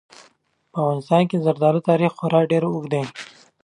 په افغانستان کې د زردالو تاریخ خورا ډېر اوږد دی.